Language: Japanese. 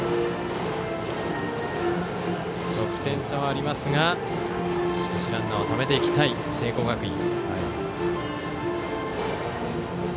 得点差はありますがランナーをためていきたい聖光学院。